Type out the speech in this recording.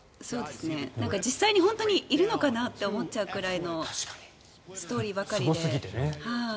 実際に本当にいるのかなって思っちゃうくらいのストーリーばかりで。